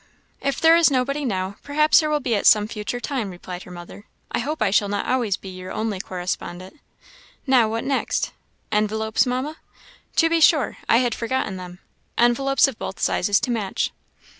"If there is nobody now, perhaps there will be at some future time," replied her mother. "I hope I shall not always be your only correspondent. Now, what next?" "Envelopes, Mamma?" "To be sure; I had forgotten them. Envelopes of both sizes to match."